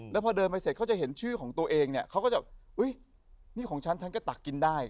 แล้วพอเดินไปเสร็จเขาจะเห็นชื่อของตัวเองเนี่ยเขาก็จะอุ๊ยนี่ของฉันฉันก็ตักกินได้